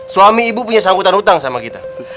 suami ibu punya sangkutan hutang sama kita